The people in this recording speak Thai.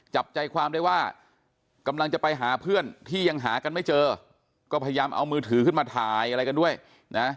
จับใจความได้ว่ากำลังจะไปหาเพื่อนที่ยังหากันไม่เจอก็พยายามเอามือถือขึ้นมาถ่ายอะไรกันด้วยนะ